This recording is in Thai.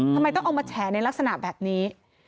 ทำไมต้องเอามาแฉในลักษณะแบบนี้